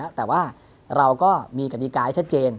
แต่ว่าเราก็มีกฎิกาให้ชัดเจน